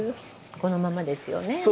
このままですよね。